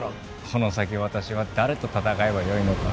この先私は誰と戦えばよいのか。